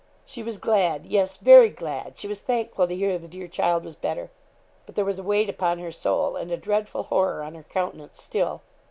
'She was glad yes, very glad. She was thankful to hear the dear child was better.' But there was a weight upon her soul, and a dreadful horror on her countenance still.